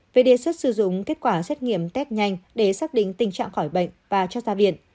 về đề xuất sử dụng kết quả xét nghiệm test nhanh để xác định tình trạng khỏi bệnh và cho ra viện